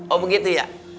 oh begitu ya